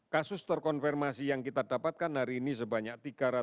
kasus terkonfirmasi yang kita dapatkan hari ini sebanyak tiga ratus tiga puluh enam